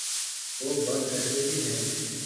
وہ بس ایسے ہی ہیں۔